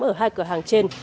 ở hai cửa hàng trên